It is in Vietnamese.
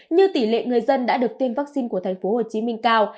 như tỷ lệ người dân đã được tiêm vaccine của tp hcm cao